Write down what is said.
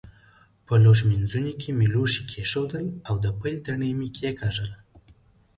په لوښ مینځوني کې مې لوښي کېښودل او د پیل تڼۍ مې کېکاږله.